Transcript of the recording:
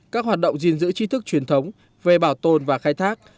các hoạt động gìn giữ trí thức truyền thống về bảo tồn và khai thác